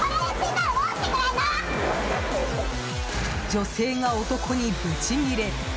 女性が男にブチギレ。